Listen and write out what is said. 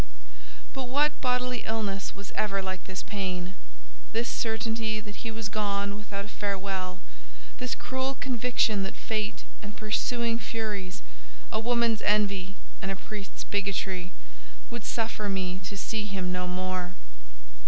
But what bodily illness was ever like this pain? This certainty that he was gone without a farewell—this cruel conviction that fate and pursuing furies—a woman's envy and a priest's bigotry—would suffer me to see him no more?